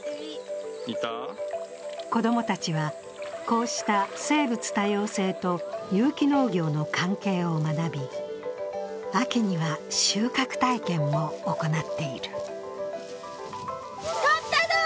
子供たちは、こうした生物多様性と有機農業の関係を学び、秋には収穫体験も行っている。